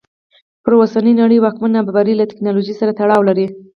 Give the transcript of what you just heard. پر اوسنۍ نړۍ واکمنه نابرابري له ټکنالوژۍ سره تړاو لري.